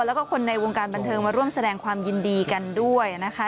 แล้วก็คนในวงการบันเทิงมาร่วมแสดงความยินดีกันด้วยนะคะ